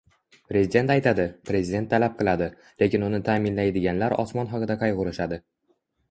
Prezident aytadi, Prezident talab qiladi, lekin uni ta'minlaydiganlar osmon haqida qayg'urishadi